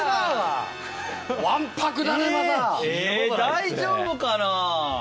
大丈夫かな？